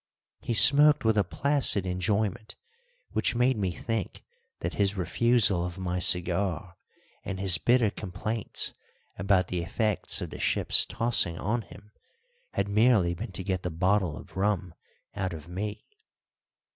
He smoked with a placid enjoyment which made me think that his refusal of my cigar and his bitter complaints about the effects of the ship's tossing on him had merely been to get the bottle of rum out of me.